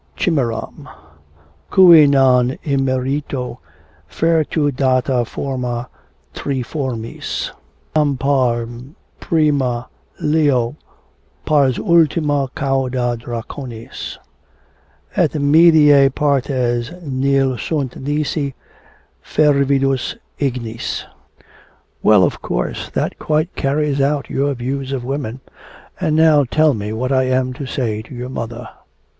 "Chimeram Cui non immerito fertur data forma triformis, Nam pars prima leo, pars ultima cauda draconis, Et mediae partes nil sunt nisi fervidus ignis."' 'Well, of course, that quite carries out your views of women. And now tell me what I am to say to your mother.